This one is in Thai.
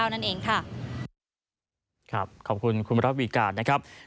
นั่นเองค่ะครับขอบคุณคุณระวีการนะครับ